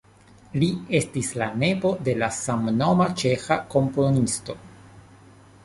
Li estis la nepo de la samnoma ĉeĥa komponisto.